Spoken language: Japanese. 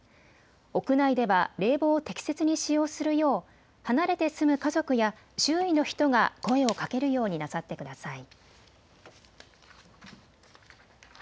屋内では冷房を適切に使用するよう離れて住む家族や周囲の人が声をかけるようになさってください。